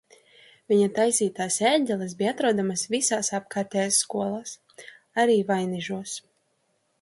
Viņa taisītās ērģeles bija atrodamas visās apkārtējās skolās, arī Vainižos.